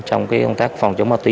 trong công tác phòng chống ma túy